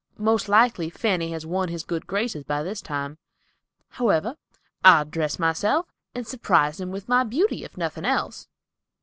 Most likely Fanny has won his good graces by this time. However, I'll dress myself and surprise him with my beauty, if nothing else."